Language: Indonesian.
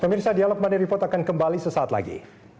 pemirsa dialog money report akan kembali sesaat lagi